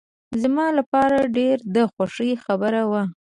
زما لپاره ډېر د خوښۍ خبره وه.